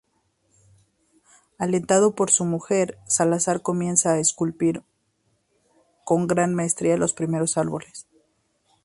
Alentado por su mujer, Salazar comienza a esculpir con gran maestría los primeros árboles.